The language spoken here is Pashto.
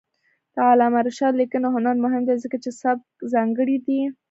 د علامه رشاد لیکنی هنر مهم دی ځکه چې سبک ځانګړی دی.